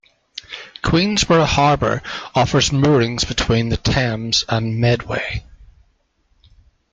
Queenborough Harbour offers moorings between the Thames and Medway.